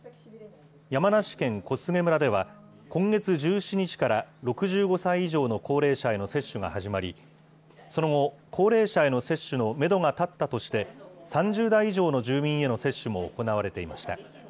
山梨県小菅村では、今月１７日から６５歳以上の高齢者への接種が始まり、その後、高齢者への接種のメドが立ったとして、３０代以上の住民への接種も行われていました。